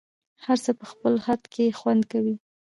هر څه په خپل خد کي خوند کوي